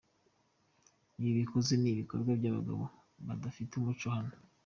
Ibi bakoze ni ibikorwa n’abagabo badafite umuco hano.